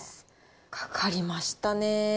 かかりましたね。